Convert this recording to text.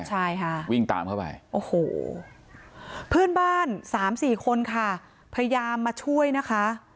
ใช่ค่ะวิ่งตามเข้าไปโอ้โหเพื่อนบ้านสามสี่คนค่ะพยายามมาช่วยนะคะ